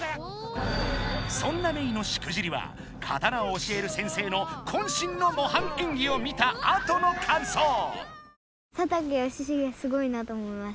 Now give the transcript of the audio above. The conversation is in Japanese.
そんなメイのしくじりは刀を教える先生のこん身のもはん演技を見たあとの感想。